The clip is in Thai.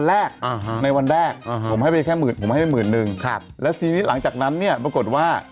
แล้วก็ซีนิทหลังจากนั้นเนี่ยปรากฏว่า